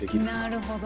なるほど。